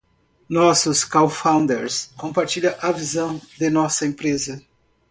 Nossos cofounders compartilham a visão de nossa empresa.